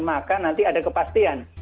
maka nanti ada kepastian